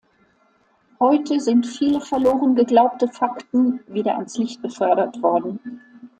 Heute sind viele verloren geglaubte Fakten wieder ans Licht befördert worden.